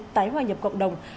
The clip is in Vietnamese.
tái hòa nhập cộng đồng